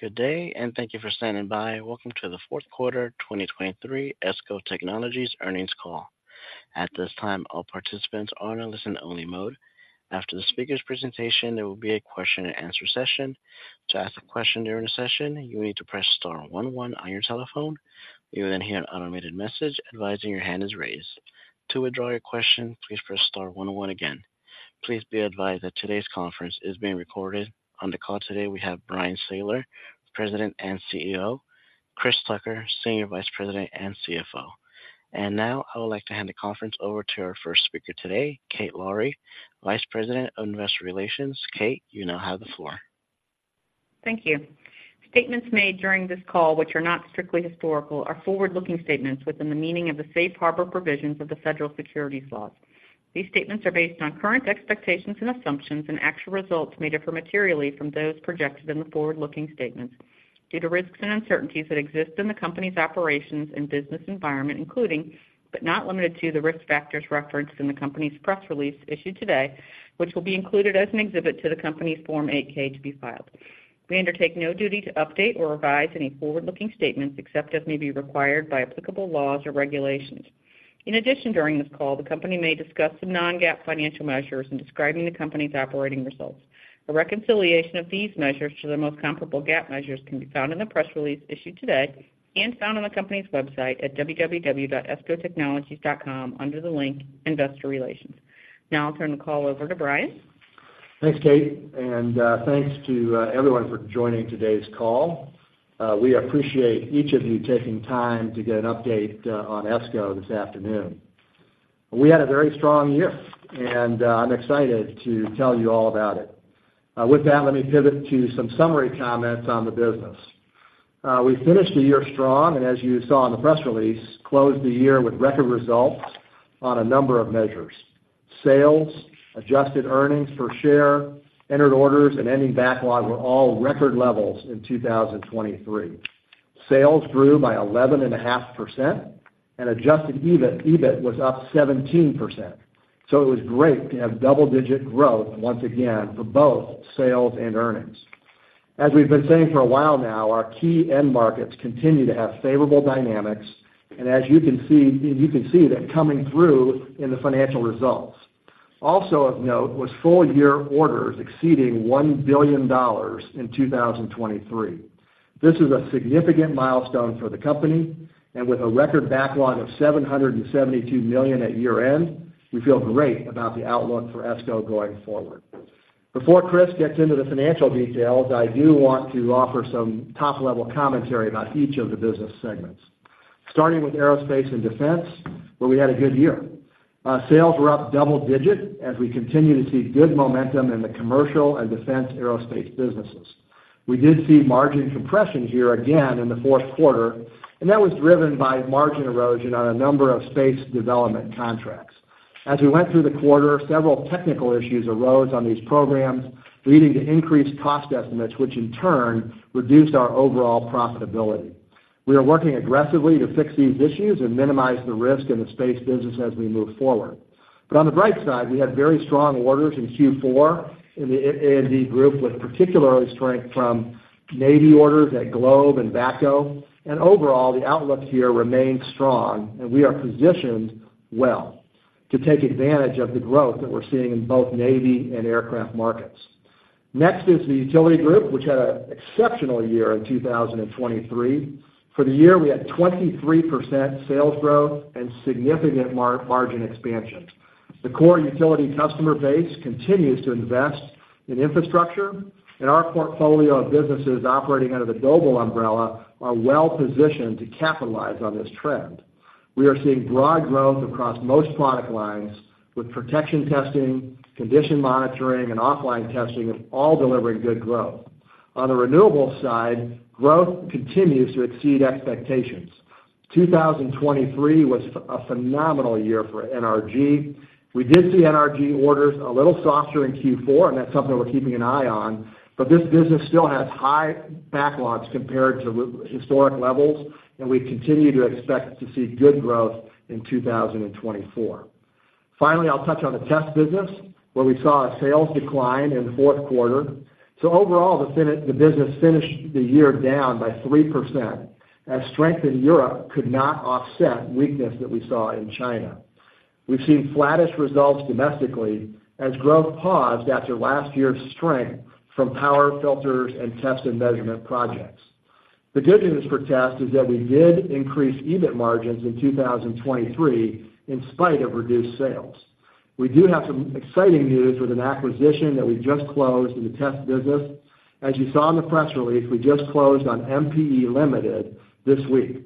Good day, and thank you for standing by. Welcome to the fourth quarter 2023 ESCO Technologies earnings call. At this time, all participants are in a listen-only mode. After the speaker's presentation, there will be a question-and-answer session. To ask a question during the session, you need to press star one one on your telephone. You will then hear an automated message advising your hand is raised. To withdraw your question, please press star one one again. Please be advised that today's conference is being recorded. On the call today, we have Bryan Sayler, President and CEO, Chris Tucker, Senior Vice President and CFO. And now I would like to hand the conference over to our first speaker today, Kate Lowrey, Vice President of Investor Relations. Kate, you now have the floor. Thank you. Statements made during this call, which are not strictly historical, are forward-looking statements within the meaning of the safe harbor provisions of the Federal Securities Laws. These statements are based on current expectations and assumptions, and actual results may differ materially from those projected in the forward-looking statements due to risks and uncertainties that exist in the company's operations and business environment, including, but not limited to, the risk factors referenced in the company's press release issued today, which will be included as an exhibit to the company's Form 8-K to be filed. We undertake no duty to update or revise any forward-looking statements, except as may be required by applicable laws or regulations. In addition, during this call, the company may discuss some non-GAAP financial measures in describing the company's operating results. A reconciliation of these measures to the most comparable GAAP measures can be found in the press release issued today and found on the company's website at www.escotechnologies.com under the link Investor Relations. Now I'll turn the call over to Bryan. Thanks, Kate, and thanks to everyone for joining today's call. We appreciate each of you taking time to get an update on ESCO this afternoon. We had a very strong year, and I'm excited to tell you all about it. With that, let me pivot to some summary comments on the business. We finished the year strong, and as you saw in the press release, closed the year with record results on a number of measures. Sales, adjusted earnings per share, entered orders, and ending backlog were all record levels in 2023. Sales grew by 11.5%, and adjusted EBIT, EBIT was up 17%. So it was great to have double-digit growth once again for both sales and earnings. As we've been saying for a while now, our key end markets continue to have favorable dynamics, and as you can see, you can see that coming through in the financial results. Also of note was full-year orders exceeding $1 billion in 2023. This is a significant milestone for the company, and with a record backlog of $772 million at year-end, we feel great about the outlook for ESCO going forward. Before Chris gets into the financial details, I do want to offer some top-level commentary about each of the business segments. Starting with Aerospace and Defense, where we had a good year. Sales were up double-digit as we continue to see good momentum in the commercial and defense aerospace businesses. We did see margin compression here again in the fourth quarter, and that was driven by margin erosion on a number of space development contracts. As we went through the quarter, several technical issues arose on these programs, leading to increased cost estimates, which in turn reduced our overall profitability. We are working aggressively to fix these issues and minimize the risk in the space business as we move forward. But on the bright side, we had very strong orders in Q4 in the A&D group, with particularly strength from Navy orders at Globe and VACCO. And overall, the outlook here remains strong, and we are positioned well to take advantage of the growth that we're seeing in both Navy and aircraft markets. Next is the utility group, which had an exceptional year in 2023. For the year, we had 23% sales growth and significant margin expansion. The core utility customer base continues to invest in infrastructure, and our portfolio of businesses operating under the Doble umbrella are well positioned to capitalize on this trend. We are seeing broad growth across most product lines, with protection testing, condition monitoring, and offline testing are all delivering good growth. On the renewables side, growth continues to exceed expectations. 2023 was a phenomenal year for NRG. We did see NRG orders a little softer in Q4, and that's something we're keeping an eye on, but this business still has high backlogs compared to historic levels, and we continue to expect to see good growth in 2024. Finally, I'll touch on the Test Business, where we saw a sales decline in the fourth quarter. Overall, the business finished the year down by 3%, as strength in Europe could not offset weakness that we saw in China. We've seen flattish results domestically, as growth paused after last year's strength from power filters, and test and measurement projects. The good news for test is that we did increase EBIT margins in 2023 in spite of reduced sales. We do have some exciting news with an acquisition that we just closed in the test business. As you saw in the press release, we just closed on MPE Limited this week.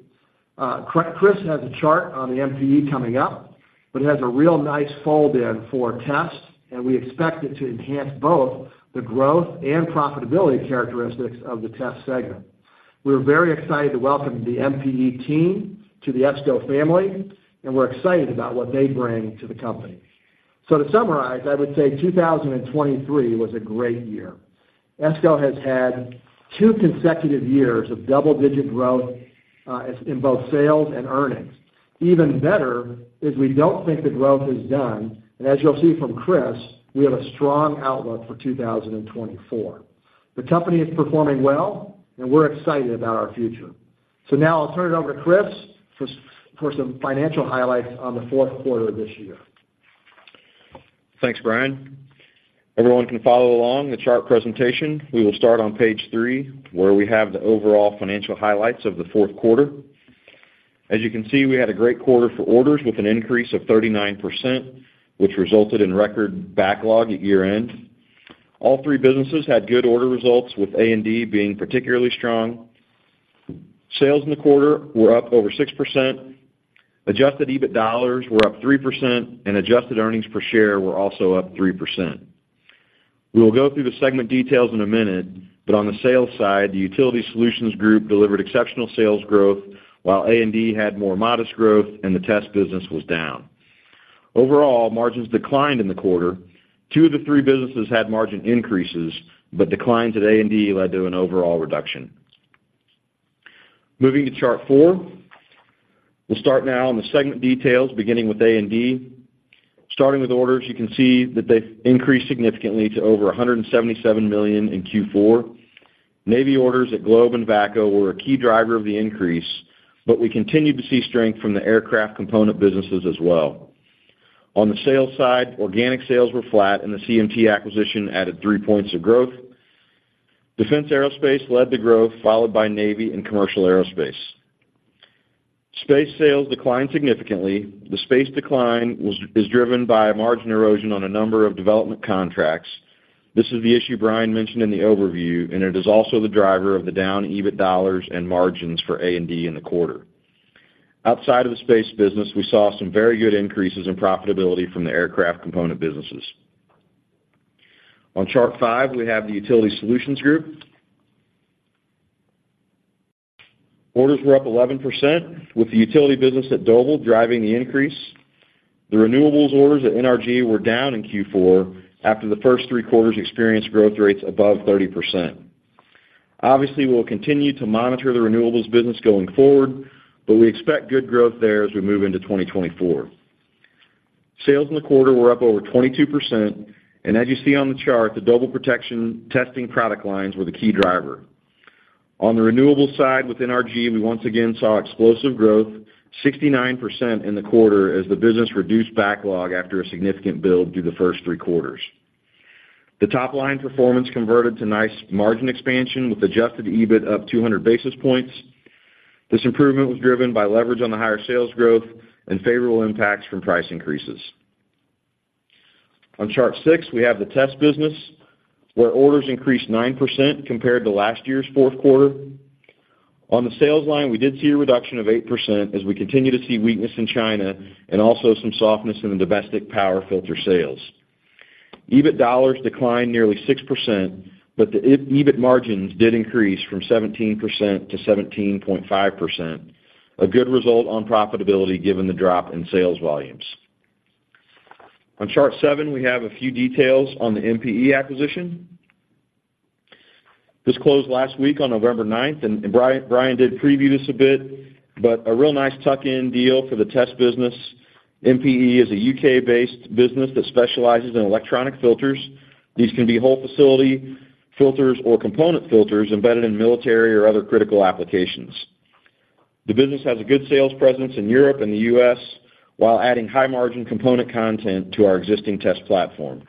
Chris has a chart on the MPE coming up, but it has a real nice fold in for Test, and we expect it to enhance both the growth and profitability characteristics of the test segment. We're very excited to welcome the MPE team to the ESCO family, and we're excited about what they bring to the company. So to summarize, I would say 2023 was a great year. ESCO has had two consecutive years of double-digit growth in both sales and earnings. Even better, is we don't think the growth is done, and as you'll see from Chris, we have a strong outlook for 2024. The company is performing well, and we're excited about our future. So now I'll turn it over to Chris for some financial highlights on the fourth quarter of this year. Thanks, Bryan. Everyone can follow along the chart presentation. We will start on page 3, where we have the overall financial highlights of the Q4. As you can see, we had a great quarter for orders with an increase of 39%, which resulted in record backlog at year-end. All three businesses had good order results, with A&D being particularly strong. Sales in the quarter were up over 6%, adjusted EBIT dollars were up 3%, and adjusted earnings per share were also up 3%. We will go through the segment details in a minute, but on the sales side, the Utility Solutions Group delivered exceptional sales growth, while A&D had more modest growth, and the test business was down. Overall, margins declined in the quarter. Two of the three businesses had margin increases, but declines at A&D led to an overall reduction. Moving to chart 4. We'll start now on the segment details, beginning with A&D. Starting with orders, you can see that they've increased significantly to over $177 million in Q4. Navy orders at Globe and VACCO were a key driver of the increase, but we continued to see strength from the aircraft component businesses as well. On the sales side, organic sales were flat, and the CMT acquisition added 3 points of growth. Defense Aerospace led the growth, followed by Navy and Commercial Aerospace. Space sales declined significantly. The space decline is driven by a margin erosion on a number of development contracts. This is the issue Bryan mentioned in the overview, and it is also the driver of the down EBIT dollars and margins for A&D in the quarter. Outside of the space business, we saw some very good increases in profitability from the aircraft component businesses. On chart 5, we have the Utility Solutions Group. Orders were up 11%, with the utility business at Doble driving the increase. The renewables orders at NRG were down in Q4, after the first three quarters experienced growth rates above 30%. Obviously, we'll continue to monitor the renewables business going forward, but we expect good growth there as we move into 2024. Sales in the quarter were up over 22%, and as you see on the chart, the Doble protection testing product lines were the key driver. On the renewables side, with NRG, we once again saw explosive growth, 69% in the quarter, as the business reduced backlog after a significant build through the first three quarters. The top-line performance converted to nice margin expansion, with adjusted EBIT up 200 basis points. This improvement was driven by leverage on the higher sales growth and favorable impacts from price increases. On chart 6, we have the test business, where orders increased 9% compared to last year's fourth quarter. On the sales line, we did see a reduction of 8%, as we continue to see weakness in China and also some softness in the domestic power filter sales. EBIT dollars declined nearly 6%, but the EBIT margins did increase from 17% to 17.5%, a good result on profitability, given the drop in sales volumes. On chart 7, we have a few details on the MPE acquisition. This closed last week on November 9, and Bryan did preview this a bit, but a real nice tuck-in deal for the test business. MPE is a U.K.-based business that specializes in electronic filters. These can be whole facility filters or component filters embedded in military or other critical applications. The business has a good sales presence in Europe and the U.S., while adding high-margin component content to our existing test platform.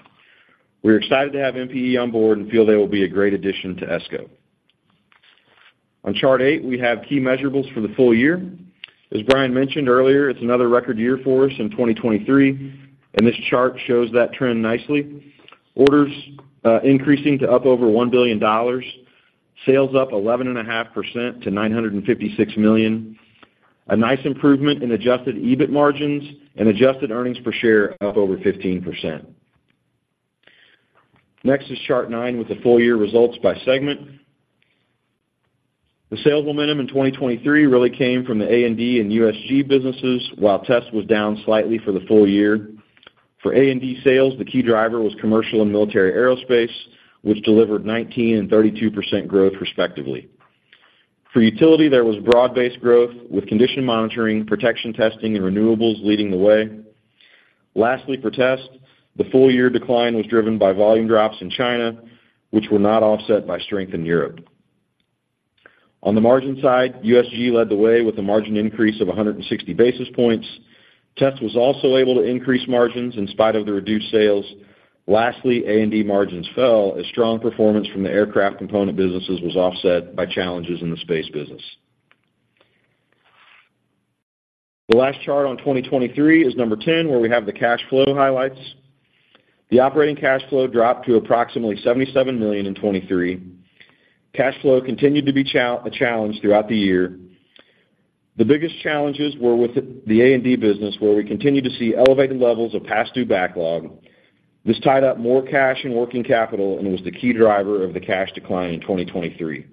We are excited to have MPE on board and feel they will be a great addition to ESCO. On chart 8, we have key measurables for the full year. As Bryan mentioned earlier, it's another record year for us in 2023, and this chart shows that trend nicely. Orders increasing to up over $1 billion, sales up 11.5% to $956 million. A nice improvement in Adjusted EBIT margins and adjusted earnings per share up over 15%. Next is chart 9, with the full year results by segment. The sales momentum in 2023 really came from the A&D and USG businesses, while Test was down slightly for the full year. For A&D sales, the key driver was commercial and military aerospace, which delivered 19% and 32% growth, respectively. For Utility, there was broad-based growth, with condition monitoring, protection testing, and renewables leading the way. Lastly, for Test, the full year decline was driven by volume drops in China, which were not offset by strength in Europe. On the margin side, USG led the way with a margin increase of 160 basis points. Test was also able to increase margins in spite of the reduced sales. Lastly, A&D margins fell as strong performance from the aircraft component businesses was offset by challenges in the space business. The last chart on 2023 is number 10, where we have the cash flow highlights. The operating cash flow dropped to approximately $77 million in 2023. Cash flow continued to be a challenge throughout the year. The biggest challenges were with the A&D business, where we continued to see elevated levels of past due backlog. This tied up more cash and working capital and was the key driver of the cash decline in 2023.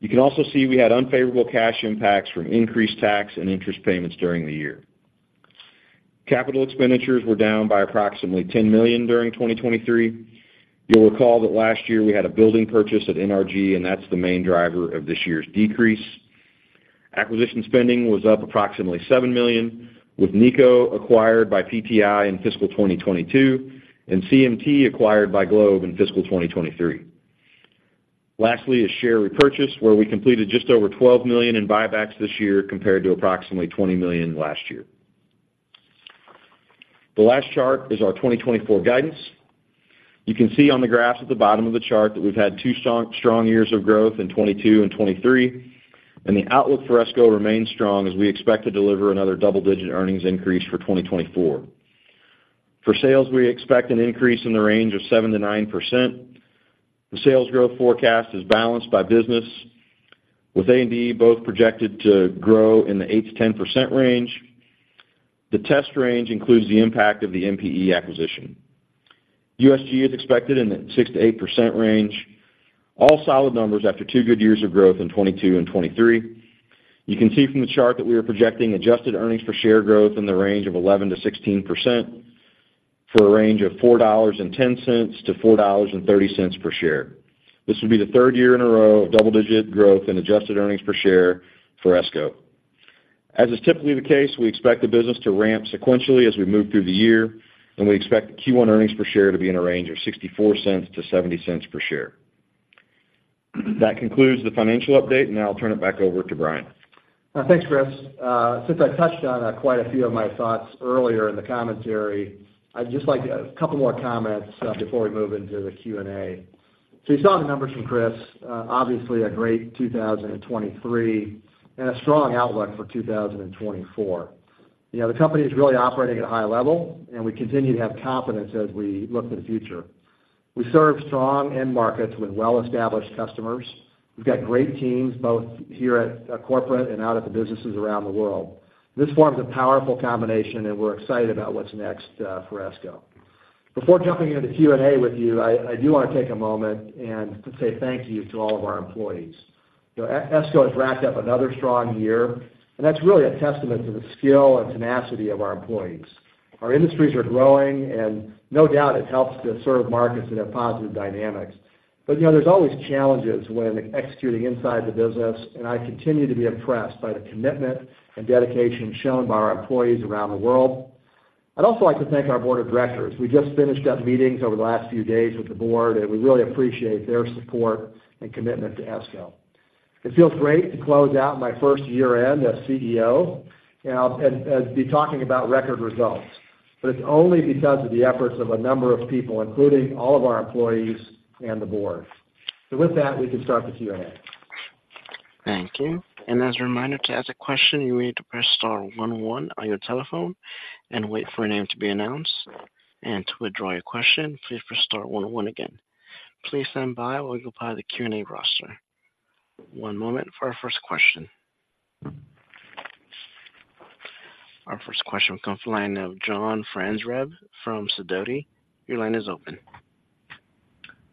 You can also see we had unfavorable cash impacts from increased tax and interest payments during the year, capital expenditures were down by approximately $10 million during 2023. You'll recall that last year we had a building purchase at NRG, and that's the main driver of this year's decrease. Acquisition spending was up approximately $7 million, with NECO acquired by PTI in fiscal 2022 and CMT acquired by Globe in fiscal 2023. Lastly, is share repurchase, where we completed just over $12 million in buybacks this year compared to approximately $20 million last year. The last chart is our 2024 guidance. You can see on the graph at the bottom of the chart that we've had two strong, strong years of growth in 2022 and 2023, and the outlook for ESCO remains strong as we expect to deliver another double-digit earnings increase for 2024. For sales, we expect an increase in the range of 7%-9%. The sales growth forecast is balanced by business, with A&D both projected to grow in the 8%-10% range. The test range includes the impact of the MPE acquisition. USG is expected in the 6%-8% range. All solid numbers after two good years of growth in 2022 and 2023. You can see from the chart that we are projecting adjusted earnings per share growth in the range of 11%-16% for a range of $4.10-$4.30 per share. This will be the third year in a row of double-digit growth in adjusted earnings per share for ESCO. As is typically the case, we expect the business to ramp sequentially as we move through the year, and we expect the Q1 earnings per share to be in a range of $0.64-$0.70 per share. That concludes the financial update, and now I'll turn it back over to Bryan. Thanks, Chris. Since I touched on quite a few of my thoughts earlier in the commentary, I'd just like a couple more comments before we move into the Q&A. So you saw the numbers from Chris, obviously a great 2023 and a strong outlook for 2024. You know, the company is really operating at a high level, and we continue to have confidence as we look to the future. We serve strong end markets with well-established customers. We've got great teams, both here at corporate and out at the businesses around the world. This forms a powerful combination, and we're excited about what's next for ESCO. Before jumping into the Q&A with you, I do want to take a moment and to say thank you to all of our employees. You know, ESCO has wrapped up another strong year, and that's really a testament to the skill and tenacity of our employees. Our industries are growing, and no doubt it helps to serve markets that have positive dynamics. But, you know, there's always challenges when executing inside the business, and I continue to be impressed by the commitment and dedication shown by our employees around the world. I'd also like to thank our board of directors. We just finished up meetings over the last few days with the board, and we really appreciate their support and commitment to ESCO. It feels great to close out my first year-end as CEO, you know, and be talking about record results. But it's only because of the efforts of a number of people, including all of our employees and the board. So with that, we can start the Q&A. Thank you. As a reminder, to ask a question, you need to press star one one on your telephone and wait for a name to be announced. To withdraw your question, please press star one one again. Please stand by while we go by the Q&A roster. One moment for our first question. Our first question comes from the line of John Franzreb from Sidoti. Your line is open.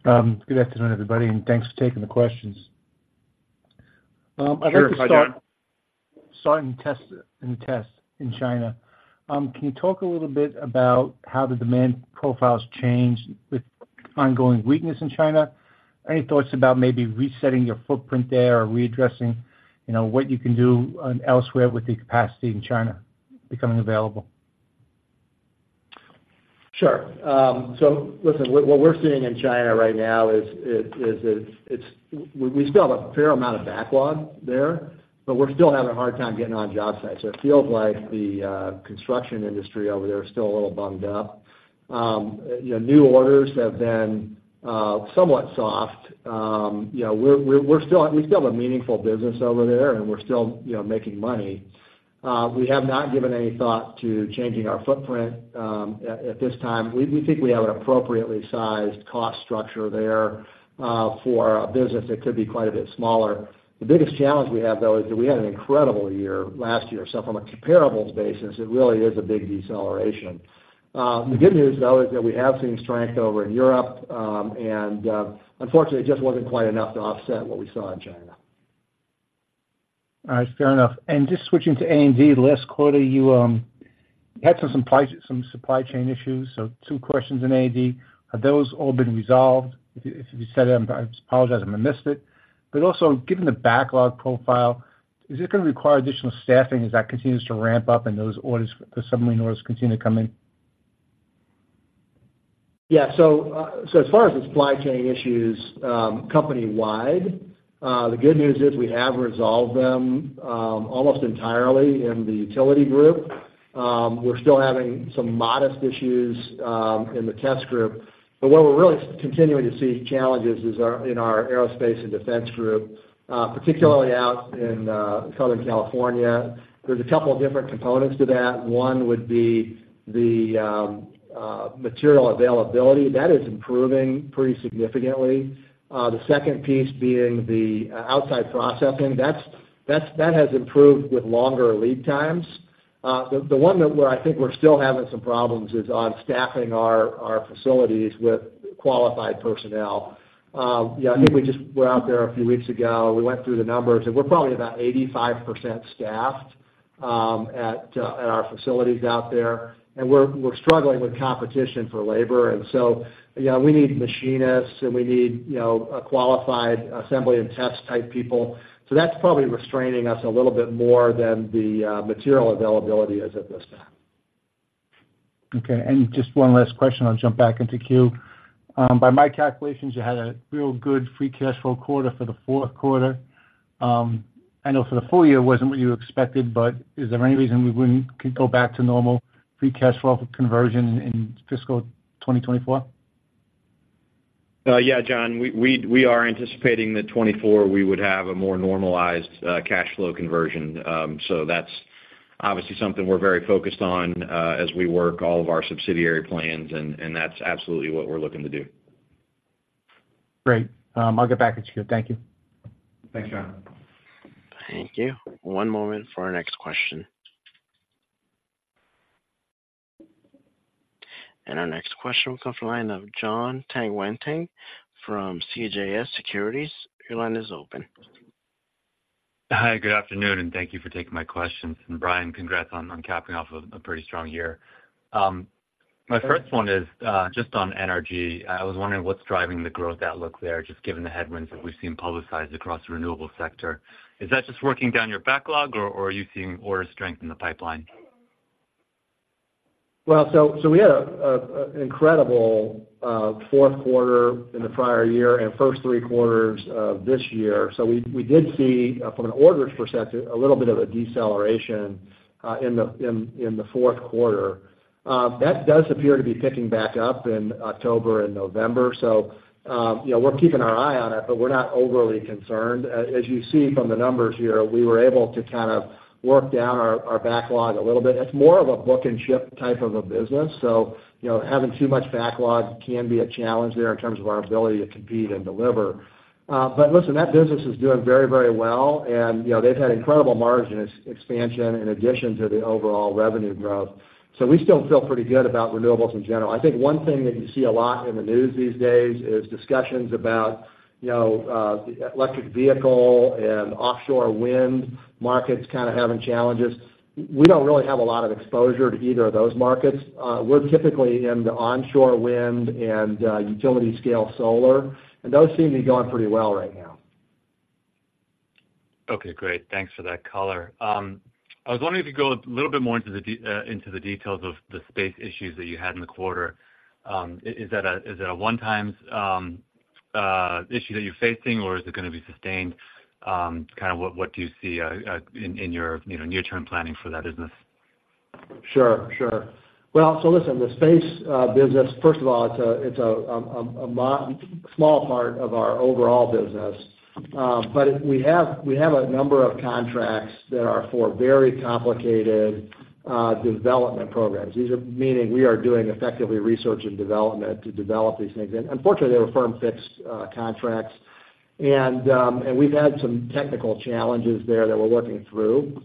Good afternoon, everybody, and thanks for taking the questions. Sure. Hi, John. I'd like to start in Test in China. Can you talk a little bit about how the demand profile has changed with ongoing weakness in China? Any thoughts about maybe resetting your footprint there or readdressing, you know, what you can do elsewhere with the capacity in China becoming available? Sure. So listen, what we're seeing in China right now is, it's we still have a fair amount of backlog there, but we're still having a hard time getting on job sites. So it feels like the construction industry over there is still a little bunged up. You know, new orders have been somewhat soft. You know, we're still, we still have a meaningful business over there, and we're still, you know, making money. We have not given any thought to changing our footprint at this time. We think we have an appropriately sized cost structure there for a business that could be quite a bit smaller. The biggest challenge we have, though, is that we had an incredible year last year. So from a comparables basis, it really is a big deceleration. The good news, though, is that we have seen strength over in Europe, and, unfortunately, it just wasn't quite enough to offset what we saw in China. All right, fair enough. And just switching to A&D, last quarter, you had some supply, some supply chain issues. So two questions in A&D. Have those all been resolved? If you, if you said it, I apologize if I missed it. But also, given the backlog profile, is it going to require additional staffing as that continues to ramp up and those orders, the submarine orders continue to come in? Yeah. So, as far as the supply chain issues, company-wide, the good news is we have resolved them, almost entirely in the utility group. We're still having some modest issues, in the test group, but what we're really continuing to see challenges is our-- in our aerospace and defense group, particularly out in, Southern California. There's a couple of different components to that. One would be the, material availability. That is improving pretty significantly. The second piece being the, outside processing. That's that has improved with longer lead times. The one that where I think we're still having some problems is on staffing our, our facilities with qualified personnel. Yeah, I think we just were out there a few weeks ago. We went through the numbers, and we're probably about 85% staffed. At our facilities out there, and we're struggling with competition for labor, and so, you know, we need machinists, and we need, you know, a qualified assembly and test type people. So that's probably restraining us a little bit more than the material availability at this time. Okay. Just one last question, I'll jump back into queue. By my calculations, you had a real good free cash flow quarter for the fourth quarter. I know for the full year, it wasn't what you expected, but is there any reason we wouldn't go back to normal free cash flow conversion in fiscal 2024? Yeah, John, we are anticipating that 2024, we would have a more normalized cash flow conversion. So that's obviously something we're very focused on, as we work all of our subsidiary plans, and that's absolutely what we're looking to do. Great. I'll get back into queue. Thank you. Thanks, John. Thank you. One moment for our next question. Our next question will come from the line of Jonathan Tanwanteng from CJS Securities. Your line is open. Hi, good afternoon, and thank you for taking my questions. Bryan, congrats on capping off a pretty strong year. My first one is just on NRG. I was wondering what's driving the growth outlook there, just given the headwinds that we've seen publicized across the renewable sector. Is that just working down your backlog, or are you seeing order strength in the pipeline? Well, so we had an incredible fourth quarter in the prior year and first three quarters of this year. So we did see from an orders perspective a little bit of a deceleration in the fourth quarter. That does appear to be picking back up in October and November. So, you know, we're keeping our eye on it, but we're not overly concerned. As you see from the numbers here, we were able to kind of work down our backlog a little bit. It's more of a book and ship type of a business, so, you know, having too much backlog can be a challenge there in terms of our ability to compete and deliver. But listen, that business is doing very, very well, and, you know, they've had incredible margin expansion in addition to the overall revenue growth. So we still feel pretty good about renewables in general. I think one thing that you see a lot in the news these days is discussions about, you know, the electric vehicle and offshore wind markets kind of having challenges. We don't really have a lot of exposure to either of those markets. We're typically in the onshore wind and utility scale solar, and those seem to be going pretty well right now. Okay, great. Thanks for that color. I was wondering if you go a little bit more into the details of the space issues that you had in the quarter. Is that a one-time issue that you're facing, or is it gonna be sustained? Kind of what do you see in your, you know, near-term planning for that business? Sure, sure. Well, so listen, the space business, first of all, it's a small part of our overall business. But we have a number of contracts that are for very complicated development programs. These are meaning we are doing effectively research and development to develop these things. And unfortunately, they were firm fixed contracts, and we've had some technical challenges there that we're working through.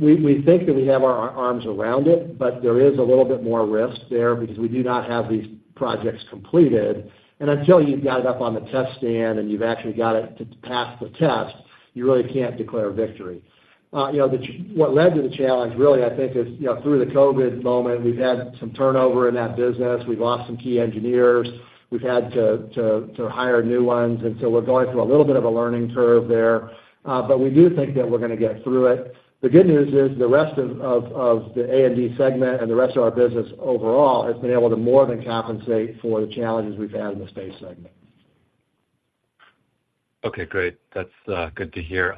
We think that we have our arms around it, but there is a little bit more risk there because we do not have these projects completed. And until you've got it up on the test stand, and you've actually got it to pass the test, you really can't declare victory. You know, what led to the challenge, really, I think, is, you know, through the COVID moment, we've had some turnover in that business. We've lost some key engineers. We've had to hire new ones, and so we're going through a little bit of a learning curve there. But we do think that we're gonna get through it. The good news is, the rest of the A&D segment and the rest of our business overall, has been able to more than compensate for the challenges we've had in the space segment. Okay, great. That's good to hear.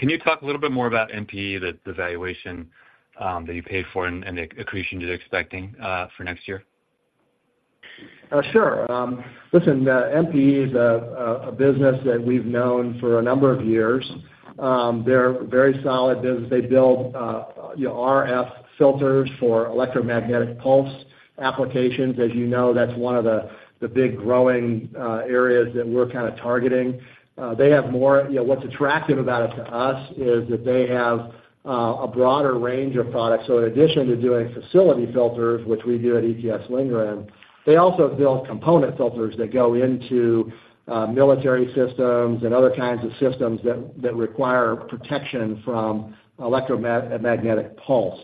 Can you talk a little bit more about MPE, the valuation that you paid for and the accretion you're expecting for next year? Sure. Listen, MPE is a business that we've known for a number of years. They're a very solid business. They build, you know, RF filters for electromagnetic pulse applications. As you know, that's one of the big growing areas that we're kind of targeting. They have more. You know, what's attractive about it to us is that they have a broader range of products. So in addition to doing facility filters, which we do at ETS-Lindgren, they also build component filters that go into military systems and other kinds of systems that require protection from electromagnetic pulse.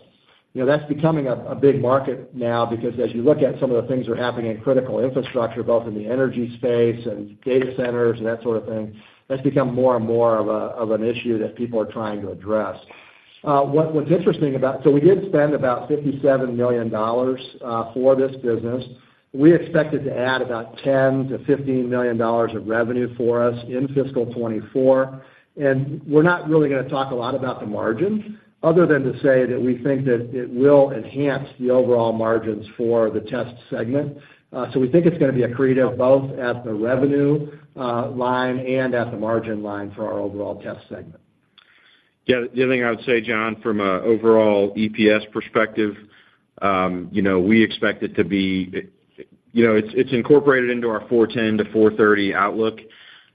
You know, that's becoming a big market now, because as you look at some of the things that are happening in critical infrastructure, both in the NRG space and data centers and that sort of thing, that's become more and more of an issue that people are trying to address. What's interesting about—so we did spend about $57 million for this business. We expected to add about $10 million-$15 million of revenue for us in fiscal 2024. And we're not really gonna talk a lot about the margin, other than to say that we think that it will enhance the overall margins for the test segment. So we think it's gonna be accretive both at the revenue line and at the margin line for our overall test segment. Yeah, the other thing I would say, John, from a overall EPS perspective, you know, we expect it to be, you know, it's, it's incorporated into our $4.10-$4.30 outlook.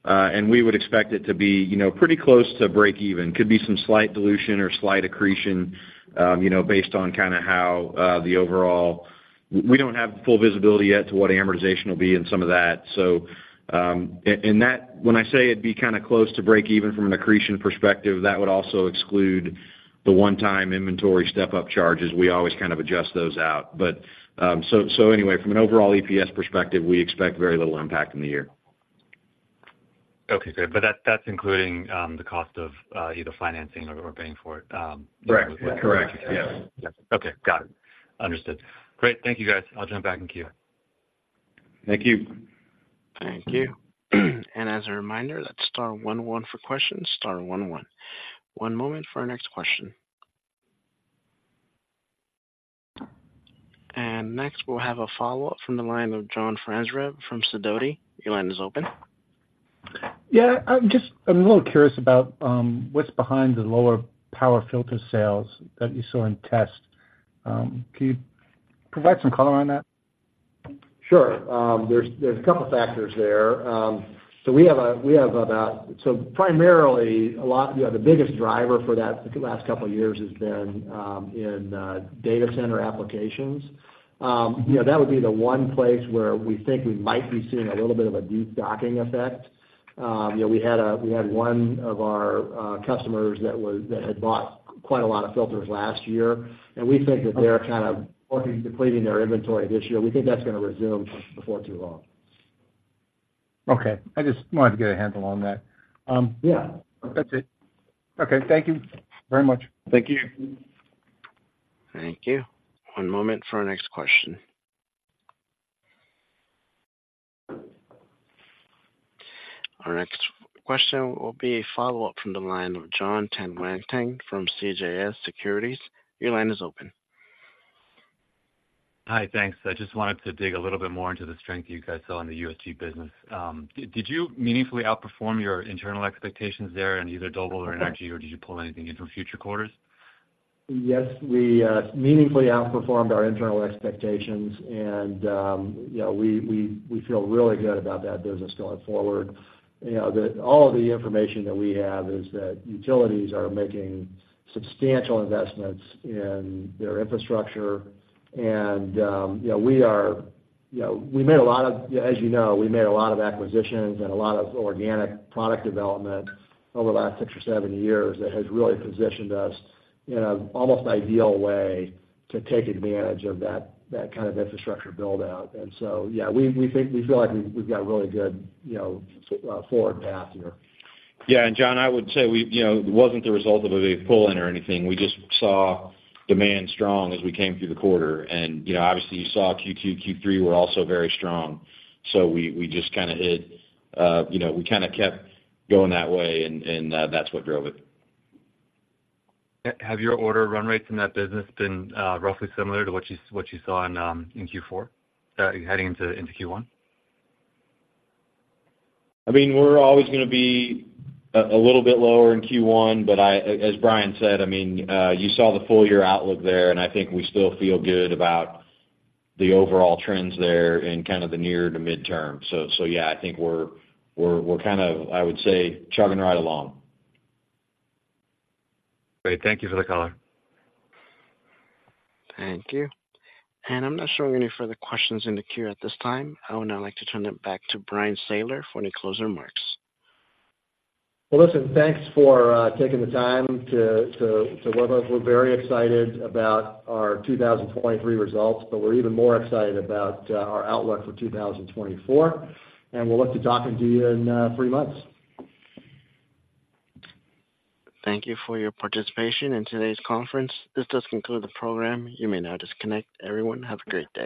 And we would expect it to be, you know, pretty close to breakeven. Could be some slight dilution or slight accretion, you know, based on kind of how, the overall... We don't have full visibility yet to what amortization will be in some of that. So, and, and that, when I say it'd be kind of close to breakeven from an accretion perspective, that would also exclude the one-time inventory step-up charges. We always kind of adjust those out. But, so, so anyway, from an overall EPS perspective, we expect very little impact in the year. ... Okay, great. But that, that's including the cost of either financing or paying for it? Correct. Correct. Yes. Okay, got it. Understood. Great. Thank you, guys. I'll jump back in queue. Thank you. Thank you. As a reminder, that's star one one for questions, star one one. One moment for our next question. Next, we'll have a follow-up from the line of John Franzreb from Sidoti. Your line is open. Yeah, I'm a little curious about what's behind the lower power filter sales that you saw in Test. Can you provide some color on that? Sure. There's a couple factors there. So primarily, yeah, the biggest driver for that the last couple of years has been in data center applications. You know, that would be the one place where we think we might be seeing a little bit of a destocking effect. You know, we had one of our customers that had bought quite a lot of filters last year, and we think that they're kind of depleting their inventory this year. We think that's going to resume before too long. Okay. I just wanted to get a handle on that. Yeah. That's it. Okay. Thank you very much. Thank you. Thank you. One moment for our next question. Our next question will be a follow-up from the line of Jonathan Tanwanteng from CJS Securities. Your line is open. Hi, thanks. I just wanted to dig a little bit more into the strength you guys saw in the USG business. Did you meaningfully outperform your internal expectations there in either Doble or NRG, or did you pull anything in from future quarters? Yes, we meaningfully outperformed our internal expectations, and, you know, we feel really good about that business going forward. You know, all of the information that we have is that utilities are making substantial investments in their infrastructure and, you know, we are... We made a lot of, as you know, we made a lot of acquisitions and a lot of organic product development over the last six or seven years that has really positioned us in an almost ideal way to take advantage of that, that kind of infrastructure build-out. And so, yeah, we think, we feel like we've got a really good, you know, forward path here. Yeah. John, I would say we, you know, it wasn't the result of a big pull-in or anything. We just saw demand strong as we came through the quarter. You know, obviously, you saw Q2, Q3 were also very strong. So we just kind of hit, you know, we kind of kept going that way, and that's what drove it. Have your order run rates in that business been roughly similar to what you saw in Q4 heading into Q1? I mean, we're always going to be a little bit lower in Q1, but as Bryan said, I mean, you saw the full year outlook there, and I think we still feel good about the overall trends there in kind of the near to midterm. So yeah, I think we're kind of, I would say, chugging right along. Great. Thank you for the color. Thank you. I'm not showing any further questions in the queue at this time. I would now like to turn it back to Bryan Sayler for any closing remarks. Well, listen, thanks for taking the time to web us. We're very excited about our 2023 results, but we're even more excited about our outlook for 2024, and we'll look to talking to you in three months. Thank you for your participation in today's conference. This does conclude the program. You may now disconnect. Everyone, have a great day.